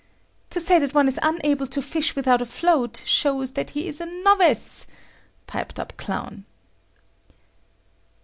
"To say that one is unable to fish without a float shows that he is a novice," piped up Clown.